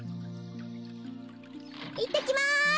いってきます！